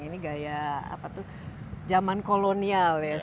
ini gaya zaman kolonial